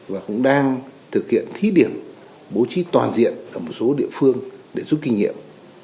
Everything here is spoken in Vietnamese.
và cũng đang thực hiện thí điểm bố trí toàn diện cả một số địa phương để giúp kinh nghiệm